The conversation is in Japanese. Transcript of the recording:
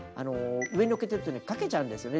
上にのっけてるとかけちゃうんですよね。